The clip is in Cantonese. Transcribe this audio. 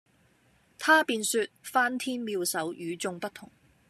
他便說「翻天妙手，與衆不同」。